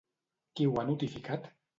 Qui ho ha notificat?